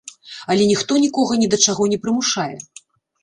Але ніхто нікога не да чаго не прымушае.